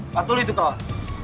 patuh lo itu kawan